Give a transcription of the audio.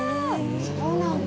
そうなんだ。